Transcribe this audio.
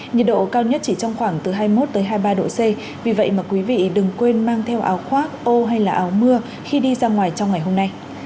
nhiệt độ cao nhất chỉ trong khoảng từ hai mươi một hai mươi ba độ c vì vậy mà quý vị đừng quên mang theo áo khoác ô hay là áo mưa khi đi ra ngoài trong ngày hôm nay